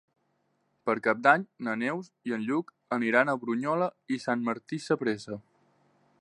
Per Cap d'Any na Neus i en Lluc aniran a Brunyola i Sant Martí Sapresa.